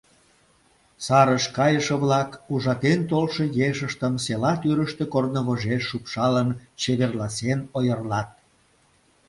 Сарыш кайыше-влак, ужатен толшо ешыштым села тӱрыштӧ корнывожеш шупшалын, чеверласен ойырлат.